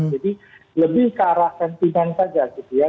jadi lebih ke arah sentimen saja gitu ya